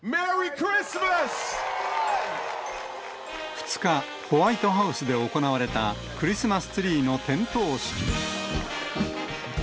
２日、ホワイトハウスで行われた、クリスマスツリーの点灯式。